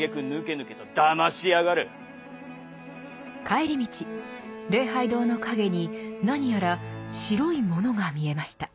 帰り道礼拝堂の陰に何やら「白いもの」が見えました。